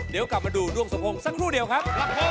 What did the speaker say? เดี๋ยวกลับมาดูดวงสมพงษ์สักครู่เดียวครับ